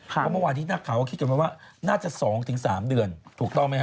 ค่ะเพราะวันนี้หน้าขาวคิดกันว่าน่าจะ๒๓เดือนถูกต้องไหมฮะ